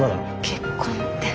結婚って。